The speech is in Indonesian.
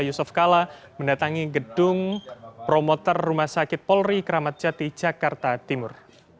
yusuf kala mendatangi gedung promotor rumah sakit polri kramatjati jakarta timur